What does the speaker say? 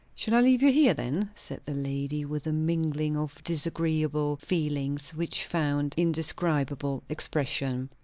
"Shall I leave you here, then?" said the lady, with a mingling of disagreeable feelings which found indescribable expression.